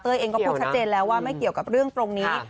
เองก็พูดชัดเจนแล้วว่าไม่เกี่ยวกับเรื่องตรงนี้